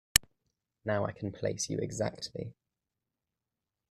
Now I can place you exactly.